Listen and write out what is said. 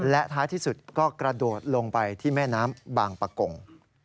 และท้ายที่สุดก็กระโดดลงไปที่แม่น้ำบางปะกง